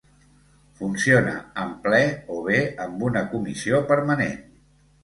Funciona en ple o bé amb una comissió permanent.